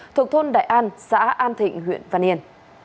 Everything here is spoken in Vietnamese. thuộc thôn đại an xã an thịnh huyện văn yên